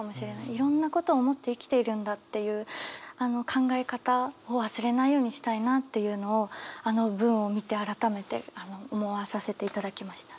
いろんなことを思って生きているんだっていうあの考え方を忘れないようにしたいなっていうのをあの文を見て改めて思わさせていただきました。